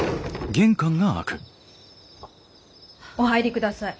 お入りください。